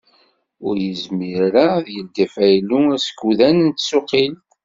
Ur yezmir ara ad d-yeldi afaylu askudan n tsuqilt.